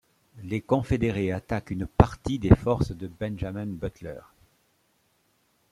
Les confédérés attaquent une partie des forces de Benjamin Butler.